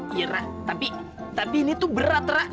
iya ra tapi ini tuh berat ra